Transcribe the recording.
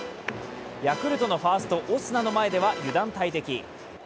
ヤクルトのファースト・オスナの前では、油断大敵。